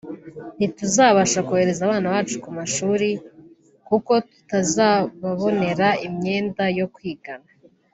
ntituzabasha kohereza abana bacu ku mashuri kuko tutazababonera imyenda yo kwigana